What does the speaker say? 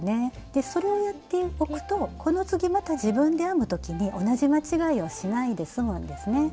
でそれをやっておくとこの次また自分で編む時に同じ間違えをしないで済むんですね。